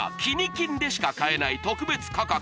金でしか買えない特別価格